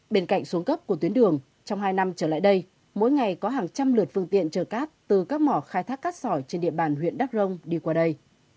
bên cạnh xuống cấp của tuyến đường trong hai năm trở lại đây mỗi ngày có hàng trăm lượt phương tiện chở cát từ các mỏ khai thác cát sỏi trên địa bàn huyện đắk rông đi qua đây